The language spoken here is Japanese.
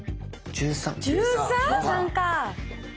⁉１３か。